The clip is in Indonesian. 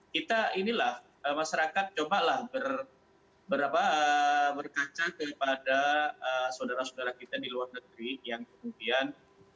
kita inilah masyarakat cobalah berkaca kepada saudara saudara kita di luar negeri yang kemudian